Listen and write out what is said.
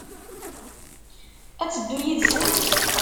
Ad teddu yid-sen?